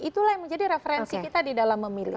itu lah yang menjadi referensi kita di dalam memilih